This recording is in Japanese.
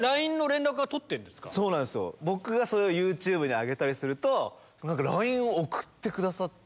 僕がＹｏｕＴｕｂｅで上げるとＬＩＮＥを送ってくださって。